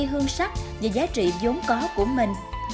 hương sắc và giá trị vốn có của mình